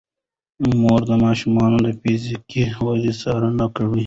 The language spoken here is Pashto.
مور د ماشومانو د فزیکي ودې څارنه کوي.